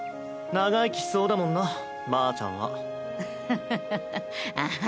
長生きしそうだもんなばあちゃんははははっああ